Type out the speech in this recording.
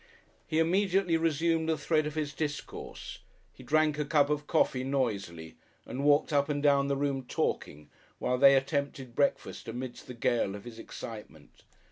He immediately resumed the thread of his discourse.... He drank a cup of coffee noisily and walked up and down the room talking, while they attempted breakfast amidst the gale of his excitement.